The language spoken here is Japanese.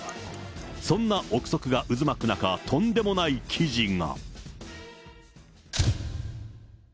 そんな臆測が渦巻く中、とんでもない記事が。